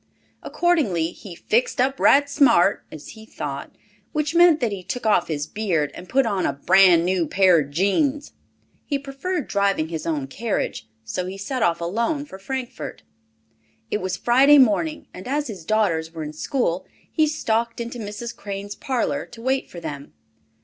Accordingly he "fixed up right smart," as he thought, which meant that he took off his beard and put on "a bran new pair of jeens." He preferred driving his own carriage, so he set off alone for Frankfort. It was Friday morning, and as his daughters were in school, he stalked into Mrs. Crane's parlor to wait for them.